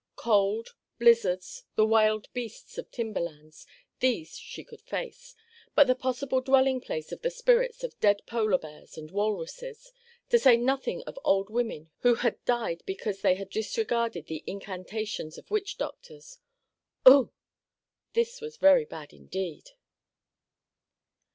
Cold, blizzards, the wild beasts of timberlands—these she could face; but the possible dwelling place of the spirits of dead polar bears and walruses, to say nothing of old women who had died because they had disregarded the incantations of witch doctors, "Ugh!"—this was very bad indeed.